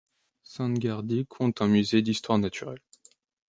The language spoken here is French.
Sandgerði compte un musée d'histoire naturelle.